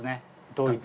ドイツ。